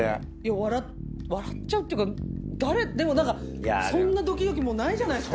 わら笑っちゃうっていうか誰でも何かそんなドキドキもうないじゃないっすか。